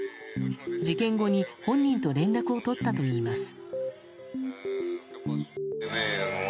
事件後に本人と連絡を取ったといいます。